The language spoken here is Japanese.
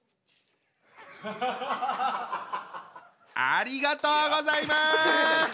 ありがとうございます。